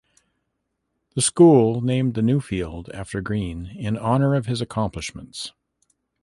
The school named the new field after Green in honor of his accomplishments.